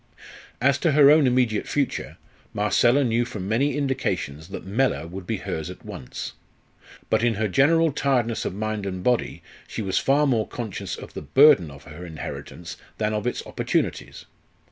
As to her own immediate future, Marcella knew from many indications that Mellor would be hers at once. But in her general tiredness of mind and body she was far more conscious of the burden of her inheritance than of its opportunities.